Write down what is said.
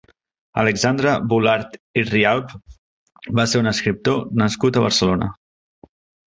Alexandre Bulart i Rialp va ser un escriptor nascut a Barcelona.